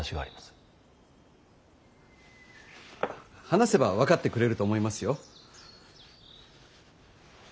話せば分かってくれると思いますよ。